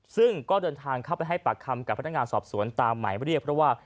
ซึ่งก็เดินทางเข้าไปให้ปากคำกับพนักงานสอบสวนตามหมายเรียกเพราะว่า